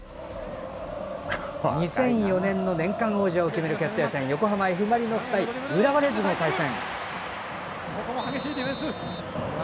２００４年の年間王者を決める決定戦横浜Ｆ・マリノス対浦和レッズの対戦。